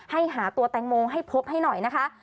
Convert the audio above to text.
หาตัวแตงโมให้พบให้หน่อยนะคะ